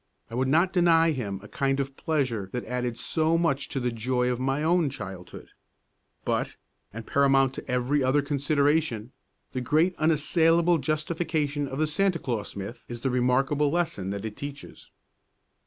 I would not deny him a kind of pleasure that added so much to the joy of my own childhood. But, and paramount to every other consideration, the great unassailable justification of the Santa Claus myth is the remarkable lesson it teaches.